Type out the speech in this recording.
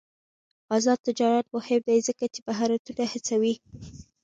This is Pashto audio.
آزاد تجارت مهم دی ځکه چې مهارتونه هڅوي.